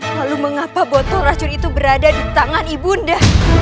lalu mengapa botol racun itu berada di tangan ibunda